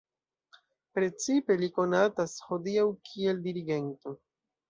Precipe li konatas hodiaŭ kiel dirigento.